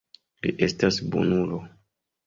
Li estas bonulo.